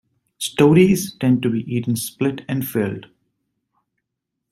Stotties tend to be eaten split and filled.